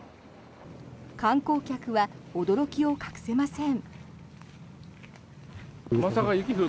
観光客は驚きを隠せません。